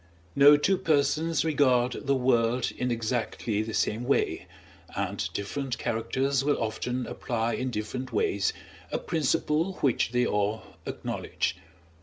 No two persons regard the world in exactly the same way, and different characters will often apply in different ways a principle which they all acknowledge.